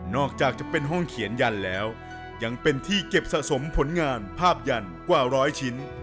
อกจากจะเป็นห้องเขียนยันแล้วยังเป็นที่เก็บสะสมผลงานภาพยันกว่าร้อยชิ้น